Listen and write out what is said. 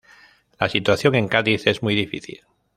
La situación en Cádiz es muy difícil.